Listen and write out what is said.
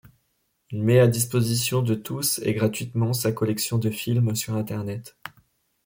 Il met à disposition de tous et gratuitement sa collection de films sur internet.